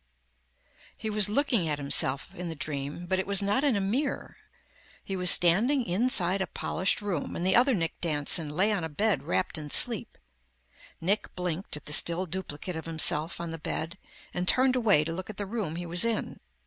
He was looking at himself, in the dream, but it was not in a mirror. He was standing inside a polished room and the other Nick Danson lay on a bed wrapped in sleep. Nick blinked at the still duplicate of himself on the bed and turned away to look at the room he was in.